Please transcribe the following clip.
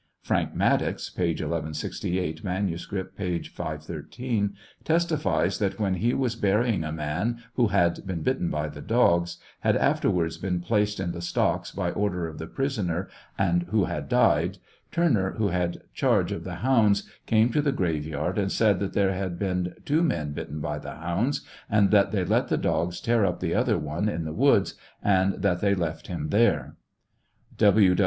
Frank Maddox (p. 1168; manuscript, p. 513) testifies that when he waa burying a man who had been bitten by the doga, had afterwards been placed in the stocks by order of the prisoner, and who had died, Turner, who had charge of the hounds, came to the grave yard and said that there had been two men bitten by the hounds, and that they let the dogs tear up the other one in the woods, and that they left him there.